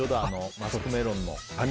マスクメロンの。